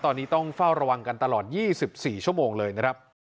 ตอนนี้ต้องเฝ้าระวังกันตลอด๒๔ชั่วโมงเลยนะครับ